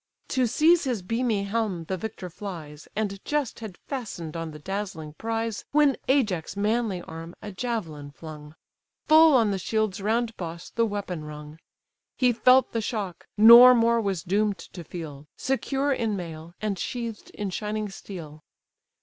To seize his beamy helm the victor flies, And just had fastened on the dazzling prize, When Ajax' manly arm a javelin flung; Full on the shield's round boss the weapon rung; He felt the shock, nor more was doom'd to feel, Secure in mail, and sheath'd in shining steel.